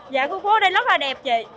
dạ khu phố ở đây rất là đẹp chị